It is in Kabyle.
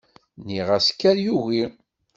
Nniɣ-as kker yugi.